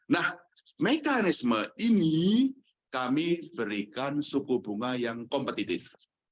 nah mekanisme ini kami berikan suku bunga yang kompetitif